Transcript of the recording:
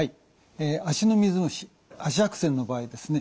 足の水虫足白癬の場合ですね